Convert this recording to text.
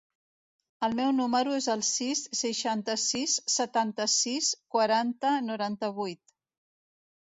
El meu número es el sis, seixanta-sis, setanta-sis, quaranta, noranta-vuit.